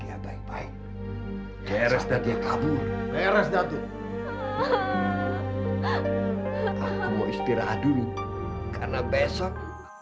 yang baik baik beres dan dia kabur beres datu aku mau istirahat dulu karena besok